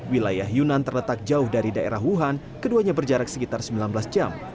wilayah yunan terletak jauh dari daerah wuhan keduanya berjarak sekitar sembilan belas jam